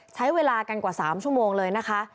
ใช้เวลากันกว่า๓ชั่วโมงเลยนะคะ